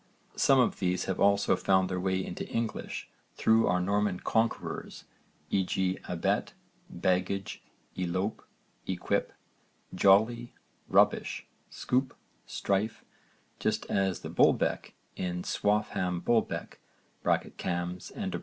Some of these have also found their way into English through our Norman conquerors, e.g. abet, baggage, elope, equip, jolly, rubbish, scoop, strife just as the Bulbeck in Swaffham Bulbeck (Cambs.)